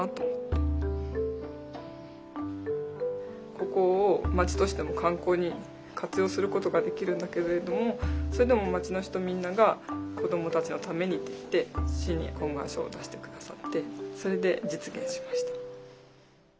ここを町としても観光に活用することができるんだけれどもそれでも町の人みんなが「子どもたちのために」って言って市に懇願書を出して下さってそれで実現しました。